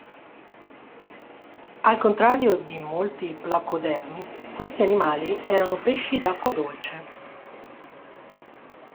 Al contrario di molti placodermi, questi animali erano pesci d'acqua dolce.